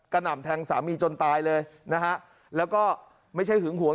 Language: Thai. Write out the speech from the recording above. หน่ำแทงสามีจนตายเลยนะฮะแล้วก็ไม่ใช่หึงหวง